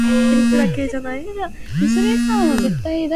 食材最緊要新鮮